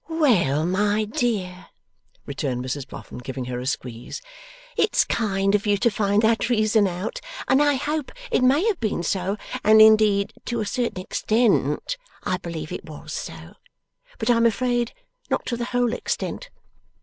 'Well, my dear,' returned Mrs Boffin, giving her a squeeze, 'it's kind of you to find that reason out, and I hope it may have been so, and indeed to a certain extent I believe it was so, but I am afraid not to the whole extent.